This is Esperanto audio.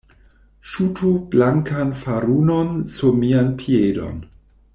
Ŝutu blankan farunon sur mian piedon.